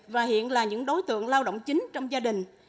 và hiện là những đối tượng lao động chính trong gia đình